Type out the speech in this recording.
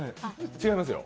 違いますよ。